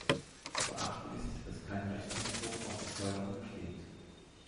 Zu beachten ist, dass kein Rechtsanspruch auf die Förderung besteht.